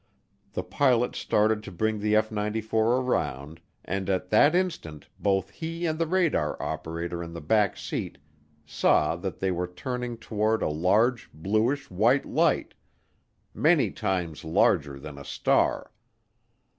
The pilot started to bring the F 94 around and at that instant both he and the radar operator in the back seat saw that they were turning toward a large bluish white light, "many times larger than a star."